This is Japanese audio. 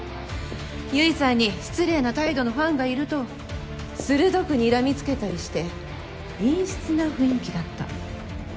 結衣さんに失礼な態度のファンがいると鋭く睨みつけたりして陰湿な雰囲気だった。